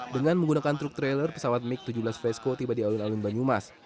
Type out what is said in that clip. dengan menggunakan truk trailer pesawat mig tujuh belas fresco tiba di alun alun banyumas